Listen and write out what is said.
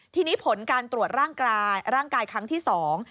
ทีนี้ผลการตรวจร่างกายครั้งที่สอง